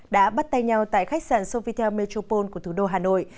đã bắt tay nhau tại khách sạn sovietel metropole của thủ đô hà nội